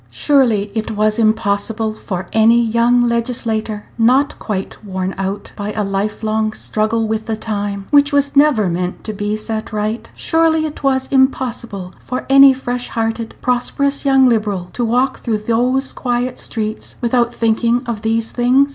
Surely it was impossible for any young legislator Page 154 not quite worn out by a life long struggle with the time which was never meant to be set right surely it was impossible for any fresh hearted, prosperous young Liberal to walk through those quiet streets without thinking of these things.